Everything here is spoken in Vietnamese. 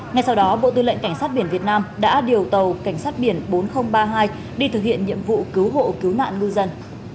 ngay sau đó bộ tư lệnh cảnh sát biển việt nam đã điều tàu cảnh sát biển bốn nghìn ba mươi hai đi thực hiện nhiệm vụ cứu hộ cứu nạn ngư dân